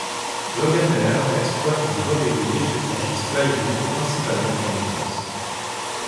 Loganair exploite des vols réguliers sous franchise Flybe principalement en Écosse.